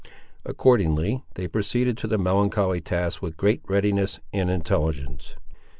Accordingly, they proceeded to the melancholy task with great readiness and intelligence.